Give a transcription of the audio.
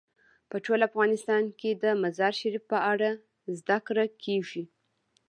په ټول افغانستان کې د مزارشریف په اړه زده کړه کېږي.